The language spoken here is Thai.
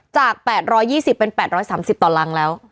จาก๘๒๐เป็น๘๓๐ต่อรังแล้ว